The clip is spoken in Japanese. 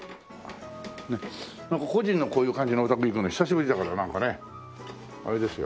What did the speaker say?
なんか個人のこういう感じのお宅行くの久しぶりだからなんかねあれですよ。